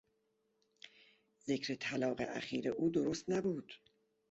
ذکر طلاق اخیر او درست نبود.